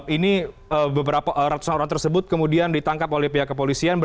ini beberapa ratusan orang tersebut kemudian ditangkap oleh pihak kepolisian